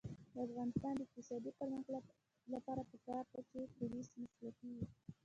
د افغانستان د اقتصادي پرمختګ لپاره پکار ده چې پولیس مسلکي وي.